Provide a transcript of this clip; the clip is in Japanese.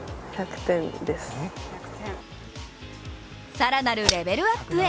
更なるレベルアップへ。